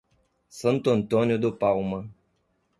Santo Antônio do Palma